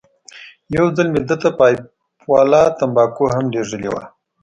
یو ځل مې ده ته پایپ والا تنباکو هم لېږلې وې.